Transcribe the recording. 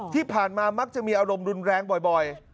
ที่ผ่านมามักจะมีอารมณ์รุนแรงบ่อย